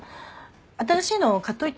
新しいの買っといて。